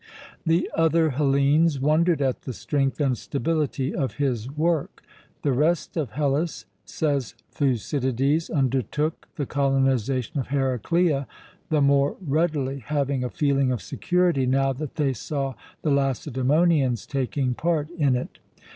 The other Hellenes wondered at the strength and stability of his work. The rest of Hellas, says Thucydides, undertook the colonisation of Heraclea the more readily, having a feeling of security now that they saw the Lacedaemonians taking part in it.